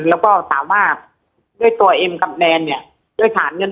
แล้วก็สามารถด้วยตัวเอ็นกับแนนเนี่ย